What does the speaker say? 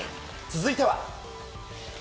続いては。